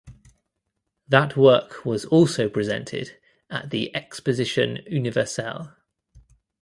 That work was also presented at the Exposition Universelle.